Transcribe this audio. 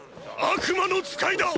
悪魔の使いだ！